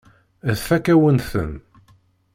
Tfakk-awen-ten.